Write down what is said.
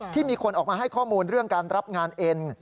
มีคนออกมาให้ข้อมูลเรื่องการรับงานเอ็น